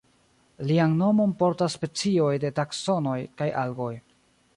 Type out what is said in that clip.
Lian nomon portas specioj de Taksonoj kaj Algoj.